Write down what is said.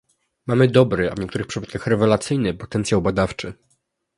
Mamy dobry, a w niektórych przypadkach rewelacyjny, potencjał badawczy